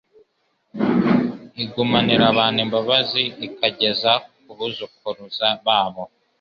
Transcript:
Igumanira abantu imbabazi ikageza ku buzukuruza babo